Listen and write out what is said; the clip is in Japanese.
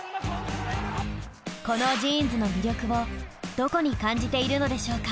このジーンズの魅力をどこに感じているのでしょうか。